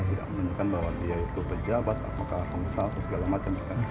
tidak menunjukkan bahwa dia itu pejabat apakah pengusaha atau segala macam